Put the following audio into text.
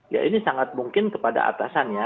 ya ini sangat mungkin kepada atasan ya